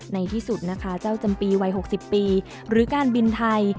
ในที่สุดนะคะเจ้าจำปีวัย๖๐ปีหรือการบินไทย